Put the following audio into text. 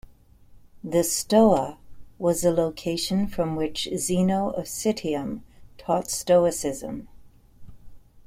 The Stoa was the location from which Zeno of Citium taught Stoicism.